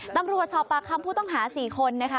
ตำรวจสอบปากคำผู้ต้องหา๔คนนะคะ